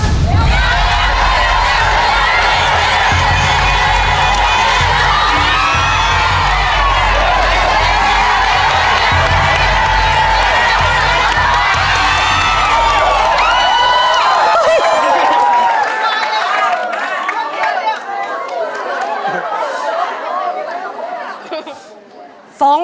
เยี่ยม